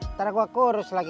ntar gua kurus lagi